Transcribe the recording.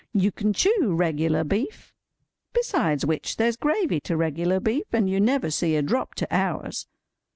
You can chew regular beef. Besides which, there's gravy to regular beef, and you never see a drop to ours.